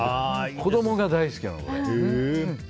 子供が大好きなの、これ。